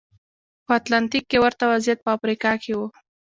په اتلانتیک کې ورته وضعیت په افریقا کې و.